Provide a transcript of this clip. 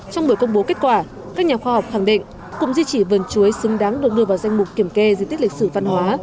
trong buổi công bố kết quả các nhà khoa học khẳng định cụm di trị vườn chuối xứng đáng được đưa vào danh mục kiểm kê di tích lịch sử văn hóa